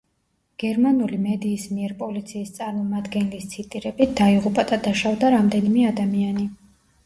გერმანული მედიის მიერ პოლიციის წარმომადგენლის ციტირებით, დაიღუპა და დაშავდა რამდენიმე ადამიანი.